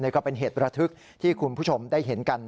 ก็เป็นเหตุระทึกที่คุณผู้ชมได้เห็นกัน